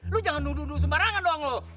lu jangan duduk duduk sembarangan doang loh